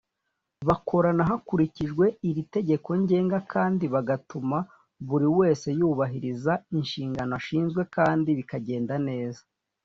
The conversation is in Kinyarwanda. bakorana hakurikijwe iri tegeko ngenga kandi bagatuma buri wese yubahiriza inshingano ashinzwe kandi bikagenda neza.